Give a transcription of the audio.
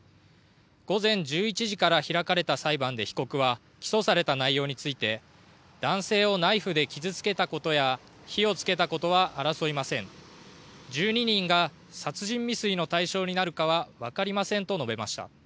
午前１１時から開かれた裁判で被告は起訴された内容について男性をナイフで傷つけたことや火をつけたことは争いません１２人が殺人未遂の対象になるかは分かりませんと述べました。